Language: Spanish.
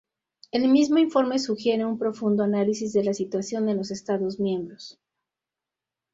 El mismo informe sugiere un profundo análisis de la situación en los estados miembros.